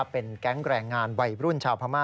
เป็นแก๊งแรงงานวัยรุ่นชาวพม่า